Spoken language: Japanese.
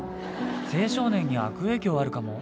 青少年に悪影響あるかも。